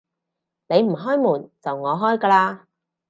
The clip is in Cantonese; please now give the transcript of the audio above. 你唔開門，就我開㗎喇